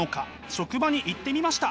職場に行ってみました。